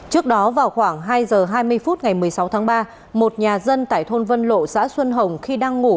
trước đó vào khoảng hai h hai mươi phút ngày một mươi sáu tháng ba một nhà dân tại thôn vân lộ xã xuân hồng khi đang ngủ